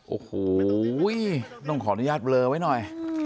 โอ้โหต้องขออนุญาตเบลอไว้หน่อย